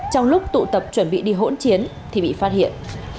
trong lúc tụ tập chuẩn bị đi hỗn chiến thì bị phát hiện